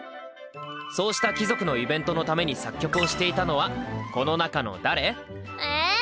そうした貴族のイベントのために作曲をしていたのはこの中の誰？え？